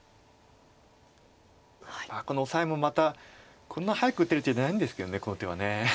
このオサエもまたこんな早く打てる手じゃないんですけどこの手は。